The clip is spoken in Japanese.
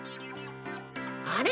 あれ？